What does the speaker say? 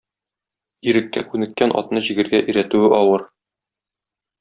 Иреккә күнеккән атны җигергә өйрәтүе авыр.